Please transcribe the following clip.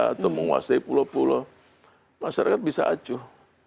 atau menguasai pulau pulau masyarakat bisa acuh